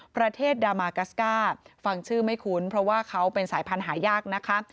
ประเทศดามากัสก้าฟังชื่อไม่คุ้นเพราะว่าเขาเป็นสายพันธุ์หายากนะคะ